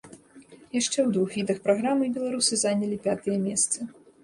Яшчэ ў двух відах праграмы беларусы занялі пятыя месцы.